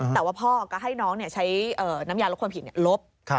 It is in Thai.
แต่ว่าพ่อก็ให้น้องใช้น้ำยาลดความผิดลบ